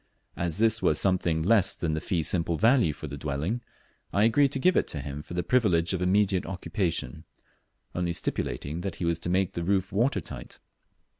As this was something less than the fee simple value of the dwelling, I agreed to give it him for the privilege of immediate occupation, only stipulating that he was to make the roof water tight.